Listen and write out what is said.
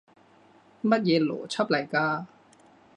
乜嘢邏輯嚟㗎？